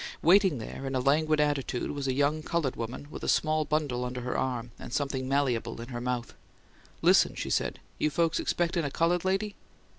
Waiting there, in a languid attitude, was a young coloured woman, with a small bundle under her arm and something malleable in her mouth. "Listen," she said. "You folks expectin' a coloured lady?"